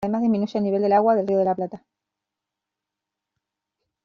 Además disminuye el nivel del agua del Río de la Plata.